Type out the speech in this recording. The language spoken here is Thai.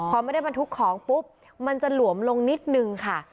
พอไม่ได้บรรทุกของปุ๊บมันจะหลวมลงนิดนึงค่ะ